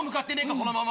そのまま。